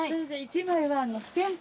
１枚は。